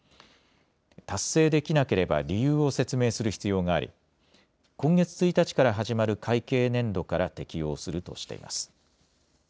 達成できなければ理由を説明する必要があり今月１日から始まる会計年度から適用するとしています。